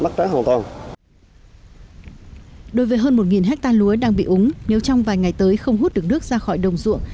còn một hectare lúa đang bị úng nếu trong vài ngày tới không hút được nước ra khỏi đồng ruộng